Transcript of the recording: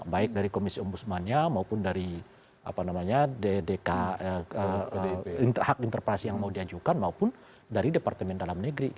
baik dari komisi ombusman ya maupun dari apa namanya dki hak interpelasi yang mau diajukan maupun dari departemen dalam negeri